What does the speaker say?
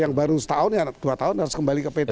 yang baru setahun ya dua tahun harus kembali ke pt